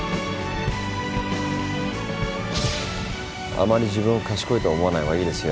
あまり自分を賢いと思わないほうがいいですよ